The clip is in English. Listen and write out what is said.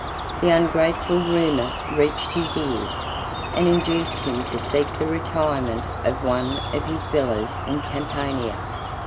The ungrateful rumor reached his ears, and induced him to seek the retirement of one of his villas in Campania.